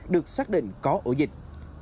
được xác định có ổ dịch